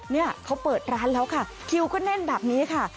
เนี่ยเขาเปิดร้านแล้วค่ะคิวก็แน่นแบบนี้ค่ะ